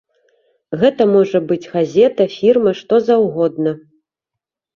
Гэта можа быць газета, фірма, што заўгодна.